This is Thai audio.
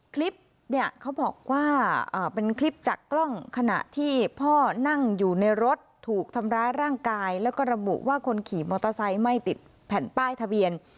คลิปเนี่ยเขาบอกว่าเป็นคลิปจากกล้องขณะที่พ่อนั่งอยู่ในรถถูกทำร้ายร่างกายแล้วก็ระบุว่าคนขี่มอเตอร์ไซค์ไม่ติดแผ่นป้ายทะเบียน